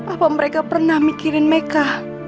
apakah mereka pernah mikirin meka